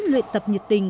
luyện tập nhiệt tình